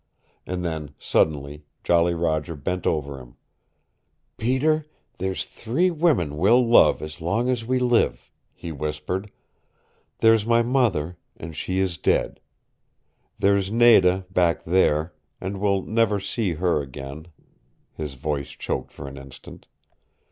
And then, suddenly, Jolly Roger bent over him. "Peter, there's three women we'll love as long as we live," he whispered. "There's my mother, and she is dead. There's Nada back there, and we'll never see her again " His voice choked for an instant.